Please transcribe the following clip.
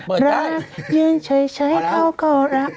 เปิดได้มั้ยค่ะเปิดได้เฉยเขาก็รัก